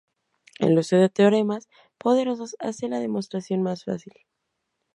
El uso de teoremas poderosos hace la demostración más fácil.